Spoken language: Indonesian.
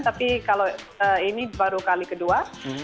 tapi kalau ini baru kali kedua